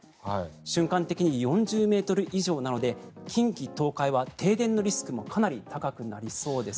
瞬間的に４０ｍ以上なので近畿、東海は停電のリスクもかなり高くなりそうです。